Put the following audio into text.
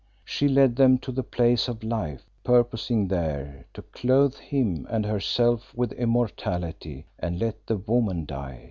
She led them to the Place of Life, purposing there to clothe him and herself with immortality, and let the woman die.